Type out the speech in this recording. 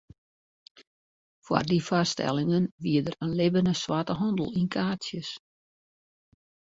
Foar dy foarstellingen wie der in libbene swarte handel yn kaartsjes.